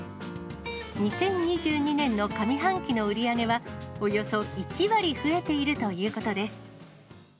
２０２２年の上半期の売り上げは、およそ１割増えているということです。